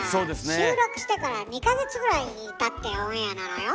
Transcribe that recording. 収録してから２か月ぐらいたってオンエアなのよ。